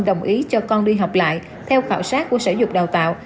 đồng ý cho con đi học lại theo khảo sát của sở dục đào tạo